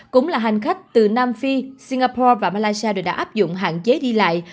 cũng là hành khách từ nam phi singapore và malaysia đều đã áp dụng hạn chế đi lại